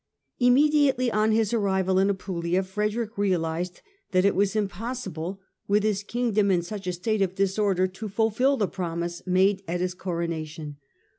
Immediately on his arrival in Apulia, Frederick realised that it was impossible, with his Kingdom in such a state of disorder, to fulfil the promise made at his Coronation.